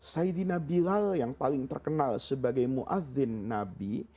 saidina bilal yang paling terkenal sebagai mu'adhin nabi